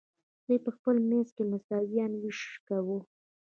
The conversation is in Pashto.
دوی په خپل منځ کې مساویانه ویش کاوه.